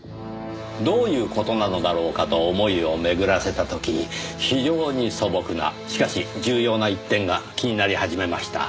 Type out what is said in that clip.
どういう事なのだろうかと思いを巡らせた時非常に素朴なしかし重要な一点が気になり始めました。